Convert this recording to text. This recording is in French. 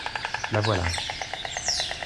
La voilà.